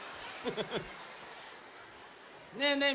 ねえねえ